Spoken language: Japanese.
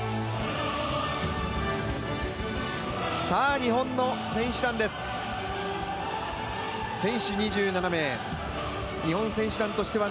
さあ、日本の選手団です。